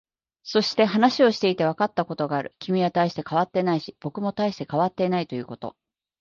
そして、話をしていてわかったことがある。君は大して変わっていないし、僕も大して変わっていないということ。